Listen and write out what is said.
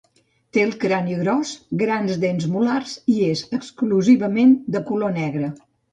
Té el crani gros, grans dents molars i és, exclusivament, de color negre.